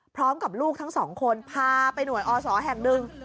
พร้อมกับลูกทั้งสองคนพาไปหน่วยอศแห่งหนึ่ง